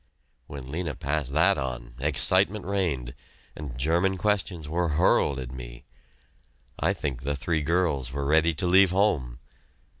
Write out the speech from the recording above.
When Lena passed that on, excitement reigned, and German questions were hurled at me! I think the three girls were ready to leave home!